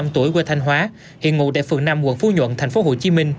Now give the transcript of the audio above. sáu mươi năm tuổi quê thanh hóa hiện ngụ tại phường năm quận phú nhuận tp hcm